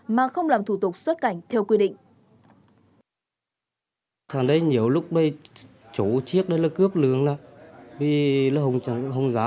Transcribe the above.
mà không làm thủ tục xuất cảnh theo quy định